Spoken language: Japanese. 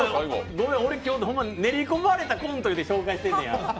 ごめん、今日、練り込まれたコントって紹介してんねや。